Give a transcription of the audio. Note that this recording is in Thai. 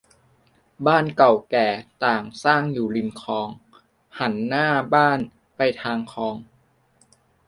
บ้านเก่าแก่ต่างสร้างอยู่ริมคลอง หันหน้าบ้านไปทางคลอง